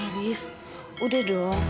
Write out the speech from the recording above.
riz udah dong